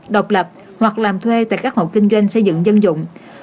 độc lập hoặc làm thuê tại các hộ kinh doanh xây dựng dân dụng